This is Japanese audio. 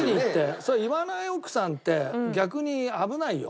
それ言わない奥さんって逆に危ないよ。